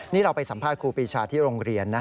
นี่เราไปสัมภาษณ์ครูปีชาที่โรงเรียนนะ